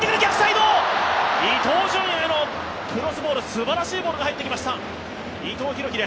伊東純也のクロスボールすばらしいボールが入ってきました。